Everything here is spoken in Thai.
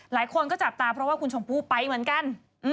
หลายคนก็จับตาเพราะว่าคุณชมพู่ไปเหมือนกัน